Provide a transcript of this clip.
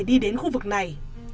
đi đến khu vực này